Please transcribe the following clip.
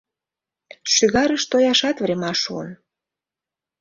Шӱгарыш тояшат врема шуын...